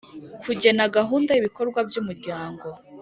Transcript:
Kugena gahunda y ibikorwa by Umuryango